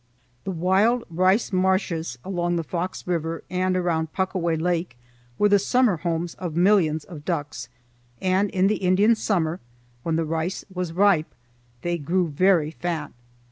The wild rice marshes along the Fox River and around Pucaway Lake were the summer homes of millions of ducks, and in the Indian summer, when the rice was ripe, they grew very fat.